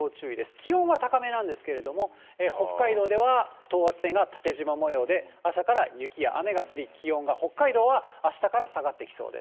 気温は高めなんですけれども、北海道では等圧線が縦じま模様で、朝から雪や雨が降り、気温が北海道はあしたから下がってきそうです。